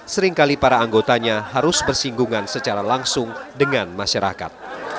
seringkali para anggotanya harus bersinggungan secara langsung dengan masyarakat